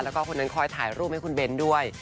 แล้วก็คนนั้นคอยถ่ายรูปให้คุณเบนด้วย